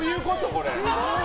これ。